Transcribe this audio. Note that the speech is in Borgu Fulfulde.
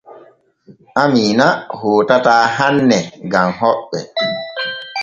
Amiina hootataa hanne gam hoɓɓe.